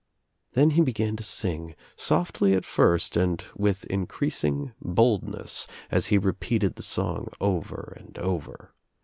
Then he began to sing, softly at first and with in creasing boldness as he repeated the song over and over.